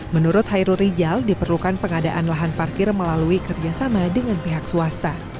menurut hairul rijal diperlukan pengadaan lahan parkir melalui kerjasama dengan pihak swasta